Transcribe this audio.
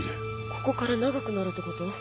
ここから長くなるってこと？